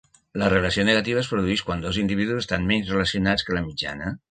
La relació negativa es produeix quan dos individus estan menys relacionats que la mitjana.